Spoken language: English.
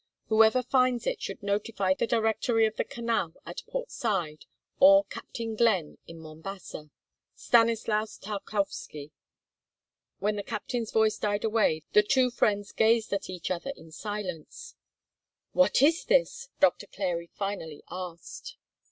Whoever finds it should notify the Directory of the Canal at Port Said or Captain Glenn in Mombasa. Stanislas Tarkowski." When the captain's voice died away, the two friends gazed at each other in silence. "What is this?" Doctor Clary finally asked.